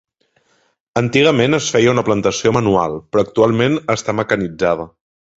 Antigament es feia una plantació manual, però actualment està mecanitzada.